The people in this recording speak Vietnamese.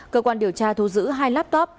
cơ quan điều tra thu giữ hai laptop